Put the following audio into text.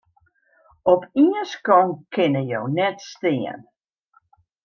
Op ien skonk kinne jo net stean.